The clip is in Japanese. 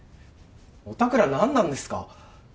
おたくら何なんですか？